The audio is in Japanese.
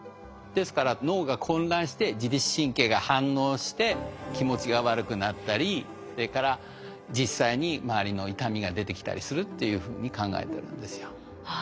ですから脳が混乱して自律神経が反応して気持ちが悪くなったりそれから実際に周りの痛みが出てきたりするっていうふうに考えてるんですよ。